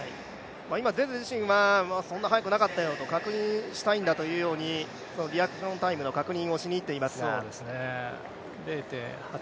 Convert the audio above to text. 今ゼゼ自身は、そんな速くなかったよ、確認したいんだとリアクションタイムの確認をしに行っていますね。